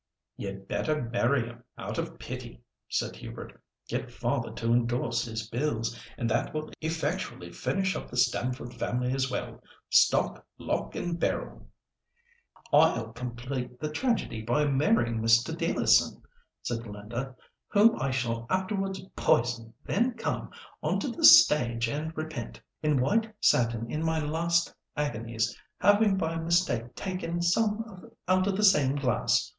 "You'd better marry him out of pity," said Hubert; "get father to endorse his bills, and that will effectually finish up the Stamford family as well—stock, lock, and barrel." "I'll complete the tragedy by marrying Mr. Dealerson," said Linda, "whom I shall afterwards poison, then come on to the stage and repent in white satin in my last agonies, having by mistake taken some out of the same glass.